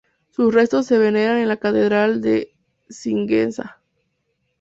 Sus restos se veneran en la catedral de Sigüenza